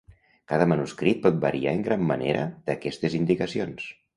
Cada manuscrit pot variar en gran manera d'aquestes indicacions.